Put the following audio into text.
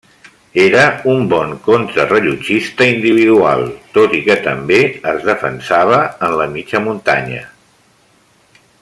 Era un bon contrarellotge individual, tot i que també es defensava en la mitjana muntanya.